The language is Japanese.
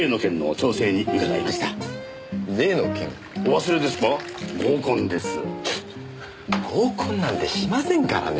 ちょっと合コンなんてしませんからね。